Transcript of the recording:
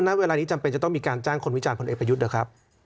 วันหน้าเวลานี้จำเป็นจะต้องมีการจ้างคนวิจารณ์คนเอกประยุทธ์เหรอครับ